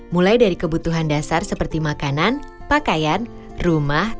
mulai dari kebutuhan dasar seperti makanan pakaian rumah